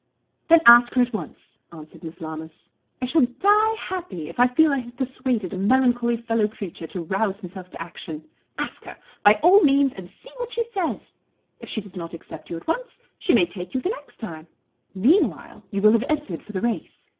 "Then ask her at once," answered Miss Lammas. "I shall die happy if I feel I have persuaded a melancholy fellow creature to rouse himself to action. Ask her, by all means, and see what she says. If she does not accept you at once, she may take you the next time. Meanwhile, you will have entered for the race.